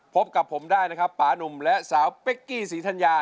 พบกับผมได้นะครับป่านุ่มและสาวเป๊กกี้ศรีธัญญา